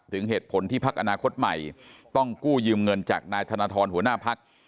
เหตุผลที่พักอนาคตใหม่ต้องกู้ยืมเงินจากนายธนทรหัวหน้าพัก